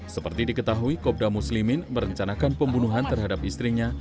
seperti diketahui kopda muslimin merencanakan pembunuhan terhadap istrinya